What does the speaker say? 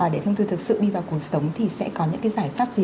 để thông tư thực sự đi vào cuộc sống thì sẽ có những cái giải pháp gì